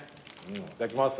いただきます。